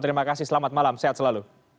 terima kasih selamat malam sehat selalu